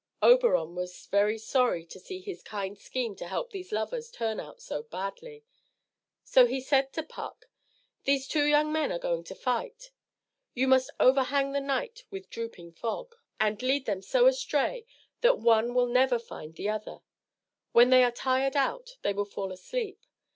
Oberon was very sorry to see his kind scheme to help these lovers turn out so badly. So he said to Puck "These two young men are going to fight. You must overhang the night with drooping fog, and lead them so astray, that one will never find the other. When they are tired out, they will fall asleep.